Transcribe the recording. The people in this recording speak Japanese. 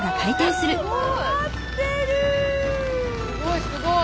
すごいすごい！